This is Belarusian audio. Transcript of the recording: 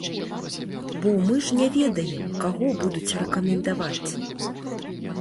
Бо мы ж не ведаем, каго будуць рэкамендаваць?